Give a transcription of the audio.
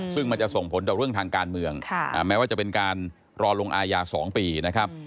ซึ่งมันจะส่งผลต่อเรื่องทางการเมืองแม้ว่าจะเป็นการรอลงอาญา๒ปีนะครับ